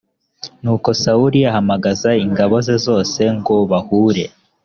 nuko sawuli ahamagaza ingabo zose ngo bahure